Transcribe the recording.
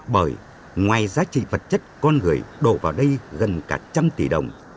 bởi ngoài giá trị vật chất con người đổ vào đây gần cả trăm tỷ đồng